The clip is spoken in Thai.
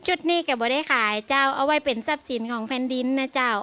ชุดนี้แกบอกได้ขายเอาไว้เป็นทราบสินของแฟนดินนะจ้าว